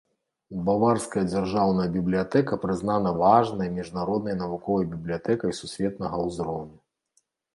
Баварская дзяржаўная бібліятэка прызнана важнай міжнароднай навуковай бібліятэкай сусветнага ўзроўня.